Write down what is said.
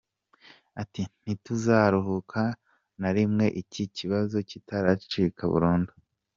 Ati “Ntituzaruhuka na rimwe iki kibazo kitaracika burundu.